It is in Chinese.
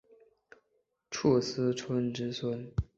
斛斯椿之孙。